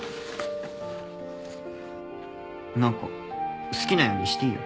何か好きなようにしていいよ。